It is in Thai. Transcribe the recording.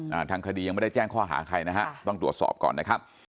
ทางคดียังไม่ได้แจ้งข้อหาใครนะฮะต้องตรวจสอบก่อนนะครับ